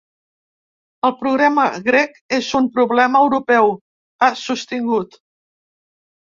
“El problema grec és un problema europeu”, ha sostingut.